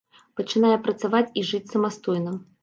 Пачынае працаваць і жыць самастойна.